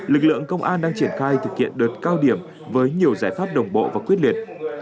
lực lượng công an đang triển khai thực hiện đợt cao điểm với nhiều giải pháp đồng bộ và quyết liệt